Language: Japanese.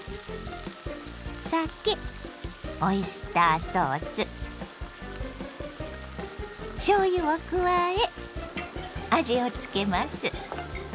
酒オイスターソースしょうゆを加え味をつけます。